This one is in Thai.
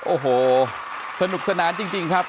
โอ้โหสนุกสนานจริงครับ